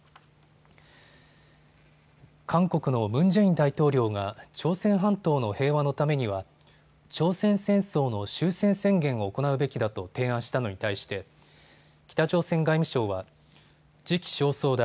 韓国のムン・ジェイン大統領が朝鮮半島の平和のためには朝鮮戦争の終戦宣言を行うべきだと提案したのに対して北朝鮮外務省は時期尚早だ。